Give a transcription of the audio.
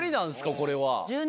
これは。